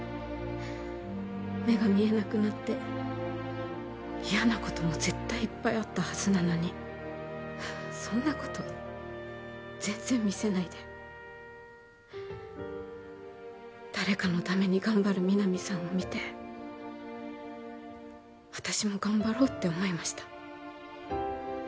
目が見えなくなって嫌なことも絶対いっぱいあったはずなのにそんなこと全然見せないで誰かのために頑張る皆実さんを見て私も頑張ろうって思いました